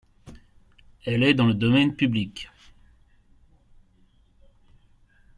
Elle est dans le domaine public.